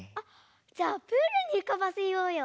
じゃあプールにうかばせようよ！